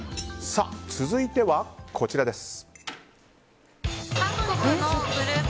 続いては、こちらです。